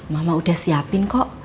mama udah siapin kok